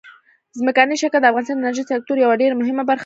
ځمکنی شکل د افغانستان د انرژۍ سکتور یوه ډېره مهمه برخه ده.